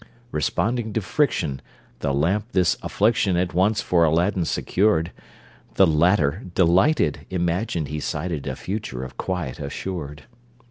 Responding to friction, The lamp this affliction At once for Aladdin secured; The latter, delighted, Imagined he sighted A future of quiet assured.